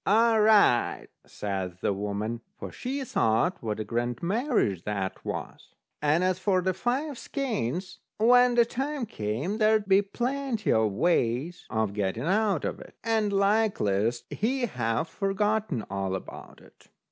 "All right," says the woman; for she thought what a grand marriage that was. And as for the five skeins, when the time came, there'd be plenty of ways of getting out of it, and likeliest, he'd have forgotten all about it.